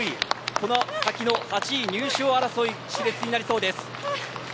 この先の８位入賞争いはし烈になりそうです。